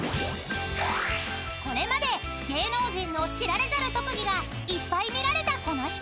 ［これまで芸能人の知られざる特技がいっぱい見られたこの質問］